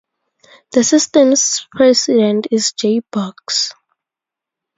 The system's president is Jay Box.